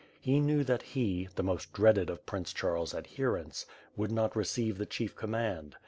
He knew, that he, the most dreaded of Prince Charles' adherents, would not receive the chief command.